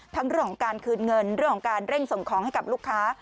เรื่องของการคืนเงินเรื่องของการเร่งส่งของให้กับลูกค้า